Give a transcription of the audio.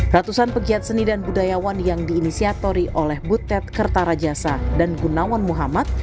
ratusan pegiat seni dan budayawan yang diinisiatori oleh butet kertarajasa dan gunawan muhammad